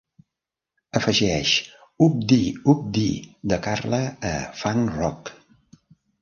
Afegeix OopDeeWopDee de Carla a Funk Rock